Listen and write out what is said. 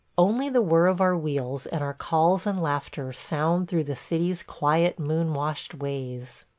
Only the whir of our wheels and our calls and laughter sound through the city's quiet, moon washed ways.